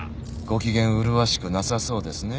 ご機嫌麗しくなさそうですね。